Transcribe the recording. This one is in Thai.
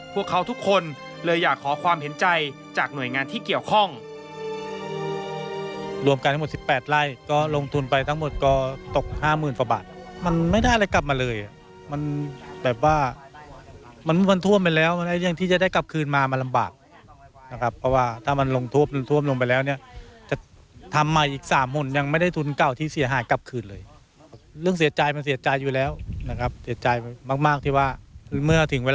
พวกเขาทุกคนเลยอยากขอความเห็นใจจากหน่วยงานที่เกี่ยวข้อง